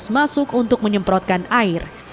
masuk untuk menyemprotkan air